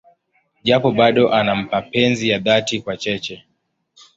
Japo bado ana mapenzi ya dhati kwa Cheche.